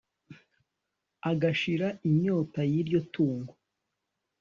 Agashira inyota y'iryo tungo